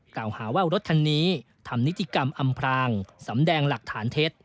กล่าวหาว่ารถคันนี้ทำนิติกรรมอำพรางสำแดงหลักฐานเท็จ